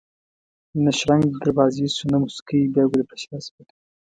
نه شرنګ د دروازې شو نه موسکۍ بیا ګل بشره شوه